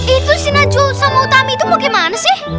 itu si najwa sama utami itu mau gimana sih